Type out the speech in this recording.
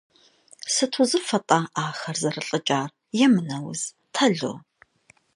Сыт узыфэ-тӀэ ахэр зэрылӀыкӀар, – емынэ уз, тало?